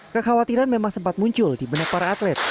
kekhawatiran memang sempat muncul di benak para atlet